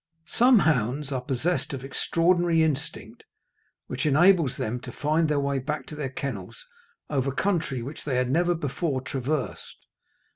Some hounds are possessed of extraordinary instinct, which enables them to find their way back to their kennels over country which they had never before traversed.